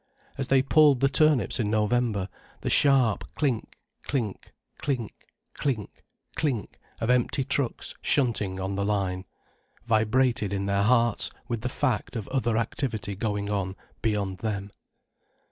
As they pulled the turnips in November, the sharp clink clink clink clink clink of empty trucks shunting on the line, vibrated in their hearts with the fact of other activity going on beyond them.